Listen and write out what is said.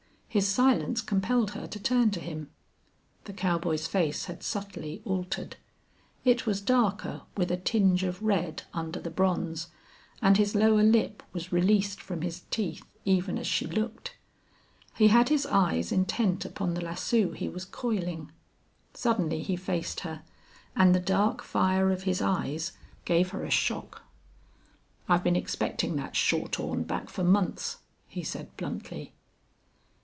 His silence compelled her to turn to him. The cowboy's face had subtly altered; it was darker with a tinge of red under the bronze; and his lower lip was released from his teeth, even as she looked. He had his eyes intent upon the lasso he was coiling. Suddenly he faced her and the dark fire of his eyes gave her a shock. I've been expecting that shorthorn back for months." he said, bluntly.